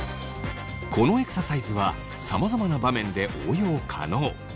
このエクササイズはさまざまな場面で応用可能。